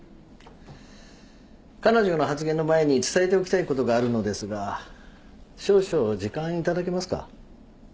彼女の発言の前に伝えておきたいことがあるのですが少々時間頂けますか？